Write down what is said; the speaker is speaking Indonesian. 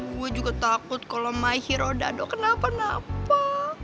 gue juga takut kalau my hero dado kenapa napa